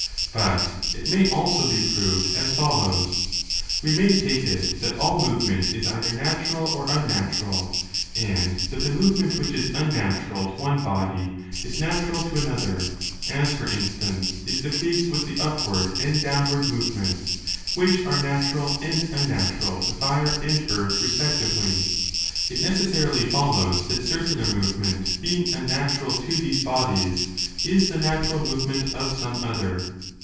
But it may also be proved as follows. We may take it that all movement is either natural or unnatural, and that the movement which is unnatural to one body is natural to another—as, for instance, is the case. with the upward and downward movements, which are natural and unnatural to 35 fire and earth respectively. It necessarily follows that 269" circular movement, being unnatural to these bodies, is the natural movement of some other.